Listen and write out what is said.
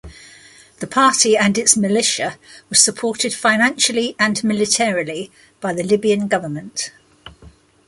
The party and its militia were supported financially and militarily by the Libyan government.